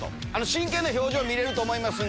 真剣な表情見れると思います。